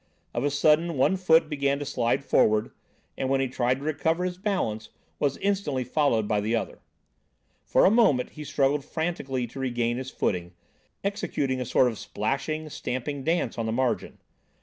Of a sudden, one foot began to slide forward, and when he tried to recover his balance, was instantly followed by the other. For a moment he struggled frantically to regain his footing, executing a sort of splashing, stamping dance on the margin.